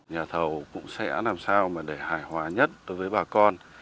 nhà thầu cũng sẽ làm sao để hài hóa nhất đối với bà con